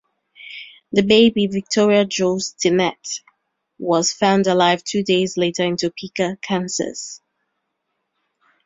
The baby, Victoria Jo Stinnett, was found alive two days later in Topeka, Kansas.